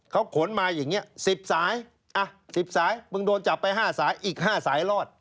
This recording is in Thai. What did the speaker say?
เขาขนมาอย่างนี้๑๐สาย๑๐สายมึงโดนจับไป๕สายอีก๕สายรอด